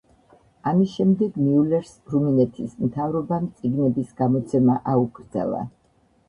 ამის შემდეგ მიულერს რუმინეთის მთავრობამ წიგნების გამოცემა აუკრძალა.